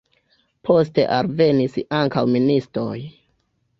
Poste alvenis ankaŭ ministoj.